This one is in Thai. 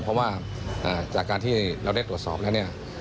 เพราะว่าจากการที่เราได้ตรวจสอบแล้วเนี่ย